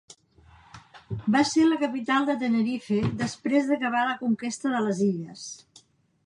Va ser la capital de Tenerife després d'acabar la conquesta de les illes.